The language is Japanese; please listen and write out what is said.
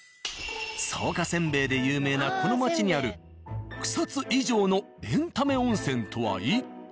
草加煎餅で有名なこの街にある草津以上のエンタメ温泉とは一体？